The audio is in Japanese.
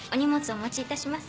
お持ちいたします。